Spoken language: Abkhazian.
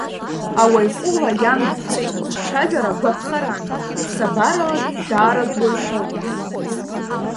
Ауаҩ ҟәыӷа Иан Друце иҿцәажәара гәаԥхаран, ԥсабаралагьы даара дуаҩ ҟәыӷан.